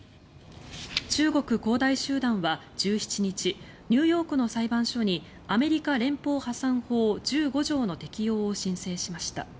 中国・恒大集団は１７日ニューヨークの裁判所にアメリカ連邦破産法１５条の適用を申請しました。